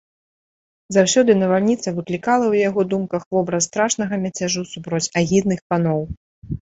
Заўсёды навальніца выклікала ў яго думках вобраз страшнага мяцяжу супроць агідных паноў.